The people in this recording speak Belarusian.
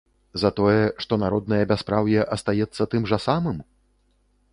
За тое, што народнае бяспраўе астаецца тым жа самым?